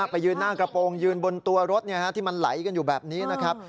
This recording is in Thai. ไปยืนหน้ากระโปรงยืนบนตัวรถที่มันไหลกันอยู่แบบนี้นะครับ